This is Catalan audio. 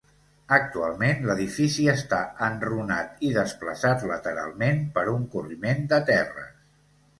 Actualment l'edifici està enrunat i desplaçat lateralment per un corriment de terres.